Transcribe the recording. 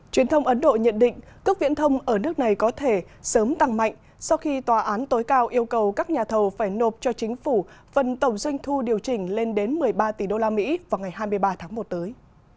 truyền thông ấn độ nhận định cước viễn thông ở nước này có thể sớm tăng mạnh sau khi tòa án tối cao yêu cầu các nhà thầu phải nộp cho chính phủ phần tổng doanh thu điều chỉnh lên đến một mươi ba tỷ usd vào ngày hai mươi ba tháng một tới